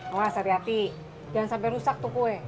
wah hati hati jangan sampai rusak tuh kue